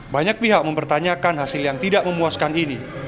banyak pihak mempertanyakan hasil yang tidak memuaskan ini